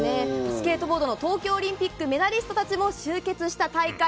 スケートボードの東京オリンピックメダリストたちも集結した大会。